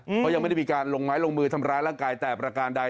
เพราะยังไม่ได้มีการลงไม้ลงมือทำร้ายร่างกายแต่ประการใด